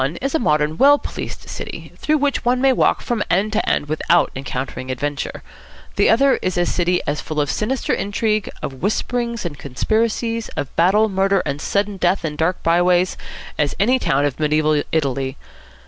One is a modern, well policed city, through which one may walk from end to end without encountering adventure. The other is a city as full of sinister intrigue, of whisperings and conspiracies, of battle, murder, and sudden death in dark by ways, as any town of mediaeval Italy.